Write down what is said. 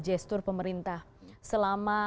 gestur pemerintah selama